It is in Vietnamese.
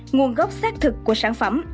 nguồn gốc xác thực của sản phẩm